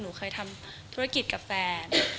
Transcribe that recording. หนูเคยทำธุรกิจกับแฟน